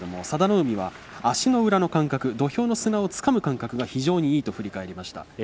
佐田の海は、足の裏の感覚土俵の砂をつかむ感覚が非常にいいと振り返りました。